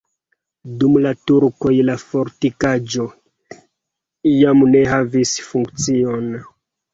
Dum la turkoj la fortikaĵo jam ne havis funkcion.